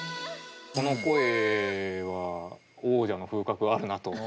この声は王者の風格あるなと感じたので。